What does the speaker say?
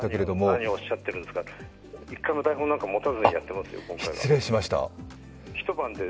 何をおっしゃっているんですか、一回も台本なんか持たずにやってますよ、今回は。